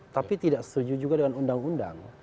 tapi tidak setuju juga dengan undang undang